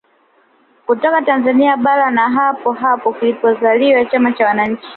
Kutoka Tanzania bara na hapo hapo kilipozaliwa chama cha wananchi